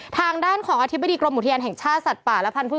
ทางด้านของอธิบดีกรมอุทยานแห่งชาติสัตว์ป่าและพันธุ์